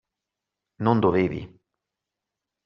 Non dovevi!